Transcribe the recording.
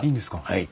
はい。